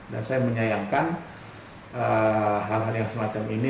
dan saya menyayangkan hal hal yang semacam ini